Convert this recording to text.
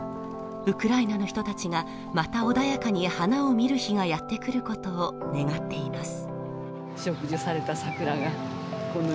ウクライナの人たちがまた穏やかに花を見る日がやってくることを願っています。